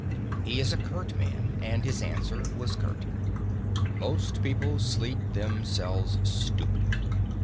He is a curt man, and his answer was curt: "Most people sleep themselves stupid."